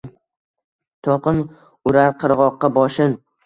To’lqin urar qirg’oqqa boshin